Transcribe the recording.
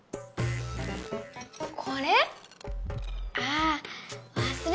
これ？